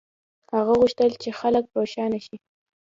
هغه غوښتل چې خلک روښانه شي.